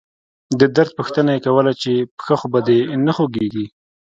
د درد پوښتنه يې کوله چې پښه خو به دې نه خوږيږي.